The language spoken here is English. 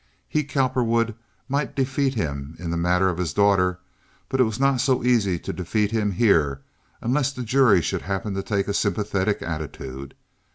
He, Cowperwood, might defeat him in the matter of his daughter, but it was not so easy to defeat him here unless the jury should happen to take a sympathetic attitude.